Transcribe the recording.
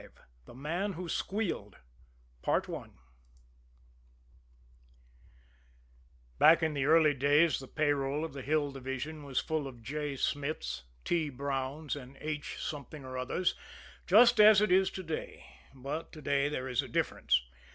V THE MAN WHO SQUEALED Back in the early days the payroll of the Hill Division was full of J. Smiths, T. Browns and H. Something or others just as it is to day. But to day there is a difference.